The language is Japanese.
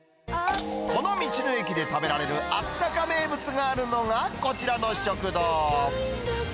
この道の駅で食べられるあったか名物があるのがこちらの食堂。